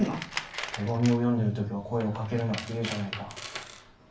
手紙を読んでる時は声をかけるなって言うじゃないか。